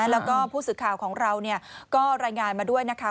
แล้วก็ผู้สื่อข่าวของเราก็รายงานมาด้วยนะคะ